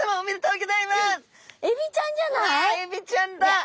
うわエビちゃんだ！